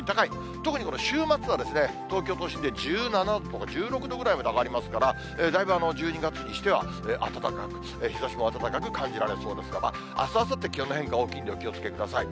特にこの週末は東京都心で１７度とか１６度ぐらいまで上がりますから、だいぶ１２月にしては暖かく、日ざしも暖かく感じられそうですが、あす、あさって、気温の変化大きいのでお気をつけください。